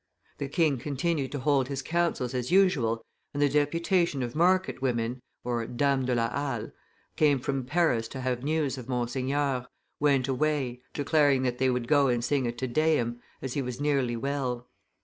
The king continued to hold his councils as usual, and the deputation of market women (dames de la Halle), come from Paris to have news of Monseigneur, went away, declaring that they would go and sing a Te Deum, as he was nearly well.